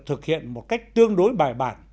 thực hiện một cách tương đối bài bản